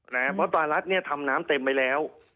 เพราะปลารัสเนี่ยทำน้ำเต็มไปแล้ว